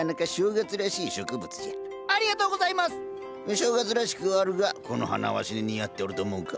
正月らしくはあるがこの花わしに似合っておると思うか？